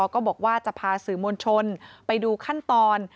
ก็บอกว่าจะพาสื่อมวลชนไปดูขั้นตอน